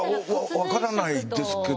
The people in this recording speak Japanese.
分からないですけど。